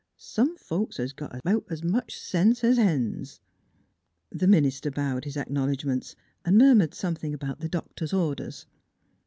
Some folks hes got about 's much sense 's hens." The minister bowed his acknowledgments and murmured something about the doctor's orders.